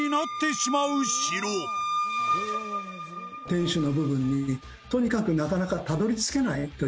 天守の部分に、とにかくなかなかたどり着けないというね